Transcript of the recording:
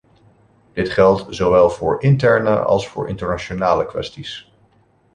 Dit geldt zowel voor interne als voor internationale kwesties.